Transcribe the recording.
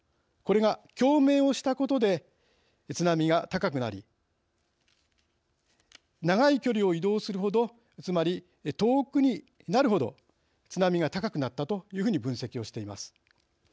これが共鳴をしたことで津波が高くなり長い距離を移動するほどつまり遠くになるほど津波が高くなったというふうに分析しています。